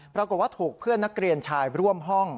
ปรากฏว่าถูกเพื่อนนักเรียนชายร่วมห้อง